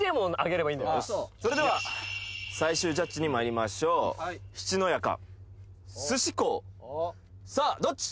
それでは最終ジャッジにまいりましょう七のやか寿司幸さあどっち？